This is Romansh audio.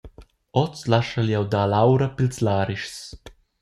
Oz laschel jeu dar l’aura pils larischs.